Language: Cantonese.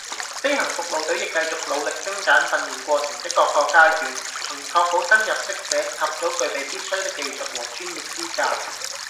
飛行服務隊亦繼續努力精簡訓練過程的各個階段，從而確保新入職者及早具備必需的技術和專業資格